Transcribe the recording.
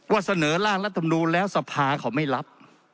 เสนอร่างรัฐมนูลแล้วสภาเขาไม่รับ